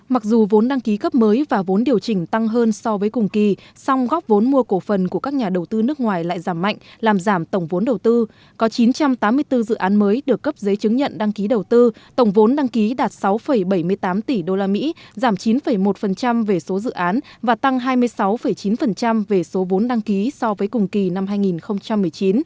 mặc dù vốn đăng ký cấp mới và vốn điều chỉnh tăng hơn so với cùng kỳ song góc vốn mua cổ phần của các nhà đầu tư nước ngoài lại giảm mạnh làm giảm tổng vốn đầu tư có chín trăm tám mươi bốn dự án mới được cấp giấy chứng nhận đăng ký đầu tư tổng vốn đăng ký đạt sáu bảy mươi tám tỷ usd giảm chín một về số dự án và tăng hai mươi sáu chín về số vốn đăng ký so với cùng kỳ năm hai nghìn một mươi chín